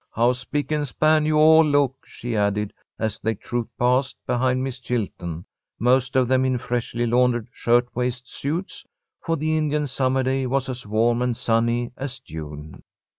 How spick and span you all look," she added, as they trooped past, behind Miss Chilton, most of them in freshly laundered shirt waist suits, for the Indian summer day was as warm and sunny as June.